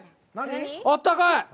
あったかい！